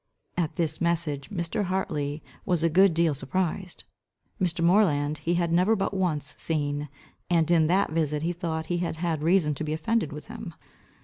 At this message Mr. Hartley was a good deal surprised. Mr. Moreland he had never but once seen, and in that visit, he thought he had had reason to be offended with him.